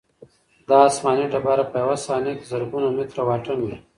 دا آسماني ډبره په یوه ثانیه کې زرګونه متره واټن وهي.